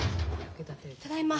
ただいま。